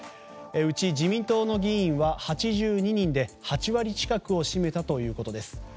うち自民党の議員は８２人で８割近くを占めたということです。